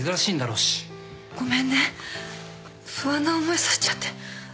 ごめんね不安な思いさせちゃって。